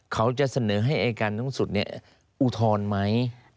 เขาจะเสนอให้อายการสูงสุดอุทธรณ์ไหม